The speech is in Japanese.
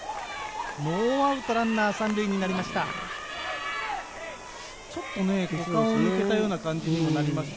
ノーアウトランナー３塁になりました。